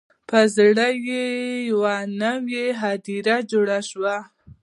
په زړه یې یوه نوي هدیره جوړه شوه